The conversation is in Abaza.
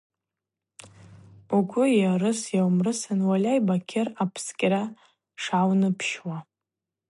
Угвы йарыс-йауымрысын, уальай, Бакьыр, апскӏьара шгӏауныпщуа.